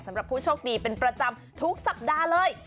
สำหรับผู้โชคดีเป็นประจำทุกสัปดาห์เลย